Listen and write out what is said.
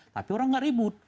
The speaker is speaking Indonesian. tapi orang gak ribut